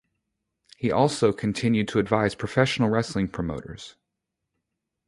He also continued to advise professional wrestling promoters.